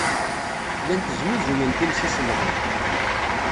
Llant snuzuyent imsisemḍen.